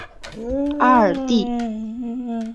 阿尔蒂。